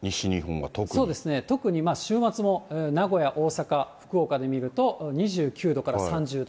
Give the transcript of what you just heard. そうですね、特に週末も名古屋、大阪、福岡で見ると２９度から３０度。